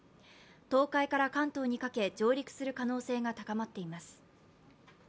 東海から関東にかけ、上陸する可能性が高まっています。